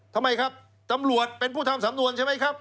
ทำไมครับตำรวจเป็นผู้ทำสำนวนใช่ไหมครับ